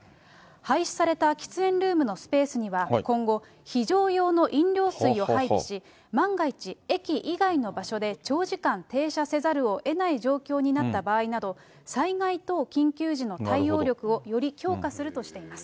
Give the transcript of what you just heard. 廃止された喫煙ルームのスペースには、今後、非常用の飲料水を配備し、万が一駅以外の場所で長時間停車せざるをえない状況になった場合など、災害等緊急時の対応力をより強化するとしています。